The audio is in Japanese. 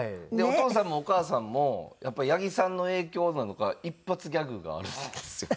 お父さんもお母さんもやっぱり八木さんの影響なのか一発ギャグがあるんですよ。